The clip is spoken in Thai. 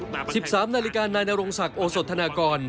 ๑๓นาฬิกานายนรงศักดิ์โอสธนากร